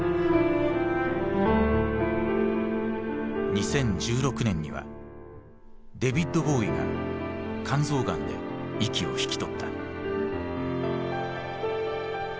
２０１６年にはデヴィッド・ボウイが肝臓がんで息を引き取った。